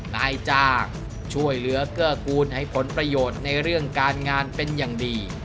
นายจ้างช่วยเหลือเกื้อกูลให้ผลประโยชน์ในเรื่องการงานเป็นอย่างดี